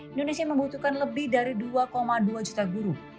indonesia membutuhkan lebih dari dua dua juta guru